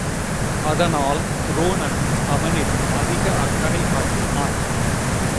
அதனால் துரோணன் அவனிடம் அதிக அக்கரை காட்டினான்.